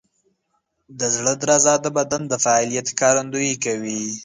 د زړه درزا د بدن د فعالیت ښکارندویي کوي.